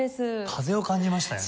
風を感じましたよね。